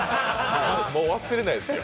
もう忘れないですよ